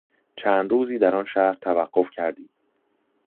چند روزی در آن شهر توقف کردیم.